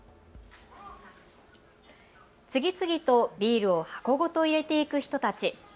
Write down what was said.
次々とビールを箱ごと入れていく人たち。